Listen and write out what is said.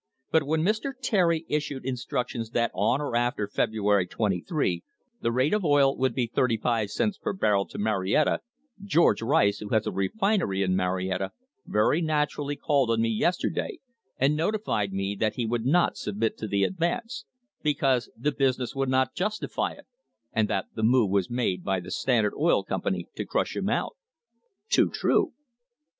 But when Mr. Terry issued in structions that on and after February 23 the rate of oil would be thirty five cents per barrel to Marietta, George Rice, who has a refinery in Marietta, very naturally called on me yesterday and notified me that he would not submit to the advance, because the business would not justify it, and that the move was made by the Standard Oil Company to crush him out. (Too true.)